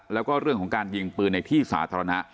แล้วก็เรื่องของการยิงปืนในที่สาธารณะ